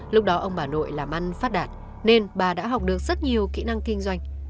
lúc đó ông bà nội làm ăn phát đạt nên bà đã học được rất nhiều kỹ năng kinh doanh